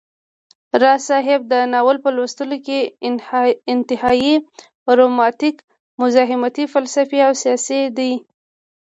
راز صاحب دا ناول په لوستلو کي انتهائى رومانتيک، مزاحمتى، فلسفى او سياسى دى